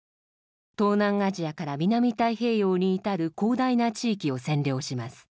東南アジアから南太平洋に至る広大な地域を占領します。